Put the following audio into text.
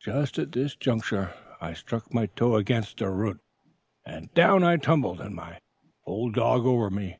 "Just at this juncture, I struck my toe against a root, and down I tumbled, and my old dog over me.